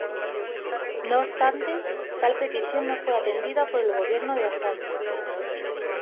No obstante, tal petición no fue atendida por el gobierno de Azaña.